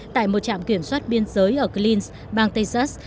tại một trạm kiểm soát biên giới ở clins bang texas